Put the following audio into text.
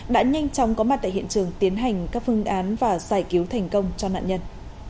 đã nhanh chóng có mặt tại hiện trường tiến hành các phương án và giải cứu thành công cho nạn nhân